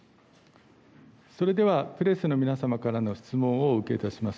それではプレスの皆様からの質問をお受けいたします。